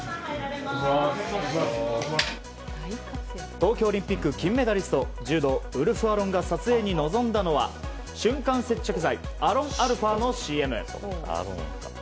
東京オリンピック金メダリスト柔道、ウルフアロンが撮影に臨んだのは瞬間接着剤アロンアルフアのＣＭ。